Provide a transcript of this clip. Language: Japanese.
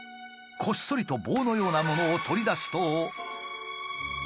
こっそりと棒のようなものを取り出すと。